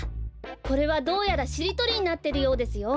これはどうやらしりとりになってるようですよ。